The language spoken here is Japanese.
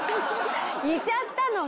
似ちゃったのが。